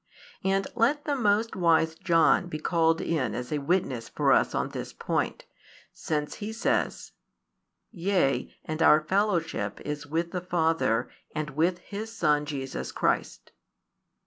And let the most wise John be called in as a witness for us on this point, since he says: Yea, and our fellowship is with the Father and with His Son Jesus Christ.